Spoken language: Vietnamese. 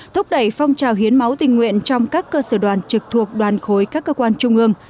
thúc đẩy phong trào hiến máu tình nguyện trong các cơ sở đoàn trực thuộc đoàn khối các cơ quan trung ương